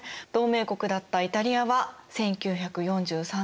同盟国だったイタリアは１９４３年に。